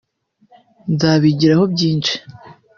nzabigiraho byinshi